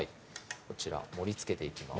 こちら盛りつけていきます